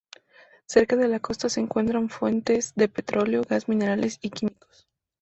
Cerca de la costa se encuentran fuentes de petróleo, gas, minerales y químicos.